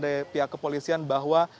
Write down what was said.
dari pihak kepolisian bahwa